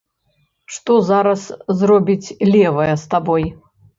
Што зараз зробіць левая з табой.